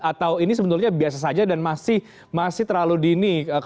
atau ini sebetulnya biasa saja dan masih terlalu dini